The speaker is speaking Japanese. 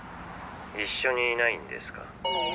一緒にいないんですか？